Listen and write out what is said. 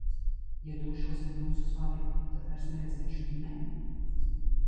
Ja došos ar jums uz fabriku, tad vairs neredzēšu ģimeni?